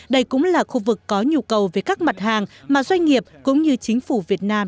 đây cũng là khu vực có nhu cầu về các mặt hàng mà doanh nghiệp cũng như chính phủ việt nam